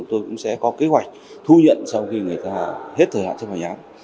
tôi cũng sẽ có kế hoạch thu nhận sau khi người ta hết thời hạn chấp hành án